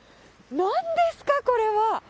なんですかこれは。